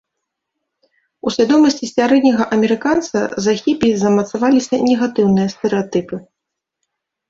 У свядомасці сярэдняга амерыканца за хіпі замацаваліся негатыўныя стэрэатыпы.